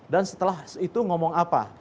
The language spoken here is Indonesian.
dan setelah itu ngomong apa